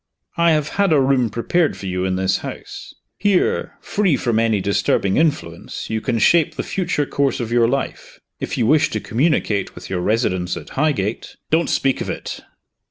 "I have had a room prepared for you in this house. Here, free from any disturbing influence, you can shape the future course of your life. If you wish to communicate with your residence at Highgate " "Don't speak of it!"